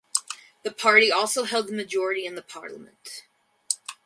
The party also held the majority in the parliament.